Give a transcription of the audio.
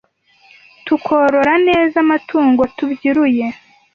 Tukorora neza Amatungo tubyiruye!